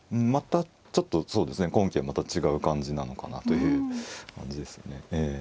またちょっとそうですね今期はまた違う感じなのかなという感じですね。